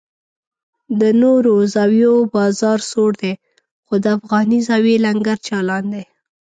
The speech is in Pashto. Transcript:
د نورو زاویو بازار سوړ دی خو د افغاني زاویې لنګر چالان دی.